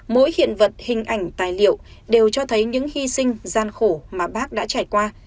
mỗi hiện vật hình ảnh tài liệu đều cho thấy những hy sinh gian khổ mà bác đã trải qua